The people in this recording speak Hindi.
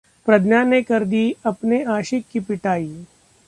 प्रज्ञा ने कर दी अपने आशिक की पिटाई...